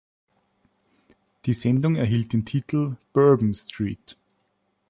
Die Sendung erhielt den Titel „Bourbon Street“.